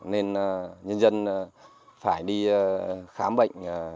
nên nhân dân phải đi khám bệnh